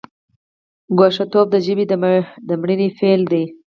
ګوښه توب د ژبې د مړینې پیل دی.